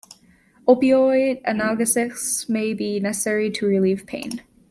Opioid analgesics may be necessary to relieve pain.